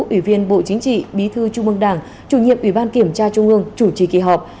ủy viên bộ chính trị bí thư trung ương đảng chủ nhiệm ủy ban kiểm tra trung ương chủ trì kỳ họp